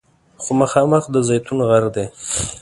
خو مخامخ د زیتون غر دی.